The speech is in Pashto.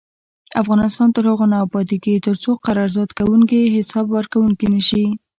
افغانستان تر هغو نه ابادیږي، ترڅو قرارداد کوونکي حساب ورکوونکي نشي.